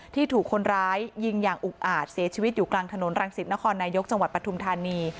ถูกคนร้ายยิงอย่างอุกอาจเสียชีวิตอยู่กลางถนนรังสิตนครนายกจังหวัดปทุมธานี